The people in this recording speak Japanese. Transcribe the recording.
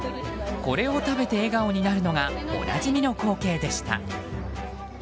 これを食べて笑顔になるのがおなじみの光景でした。